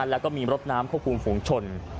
แล้วก็มีรถน้ำควบคุมฝุงชน